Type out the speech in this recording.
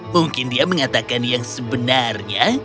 mungkin dia mengatakan yang sebenarnya